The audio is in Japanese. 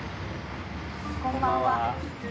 こんばんは。